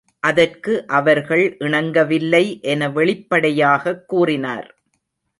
அதற்கு அவர்கள் இணங்கவில்லை என வெளிப்படையாகக் கூறினார்.